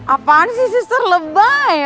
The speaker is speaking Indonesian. apaan sih sister lebay